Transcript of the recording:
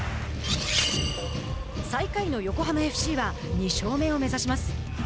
最下位の横浜ＦＣは２勝目を目指します。